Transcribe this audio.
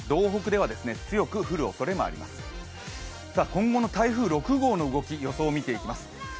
今後の台風６号の動き、予想をみていきます。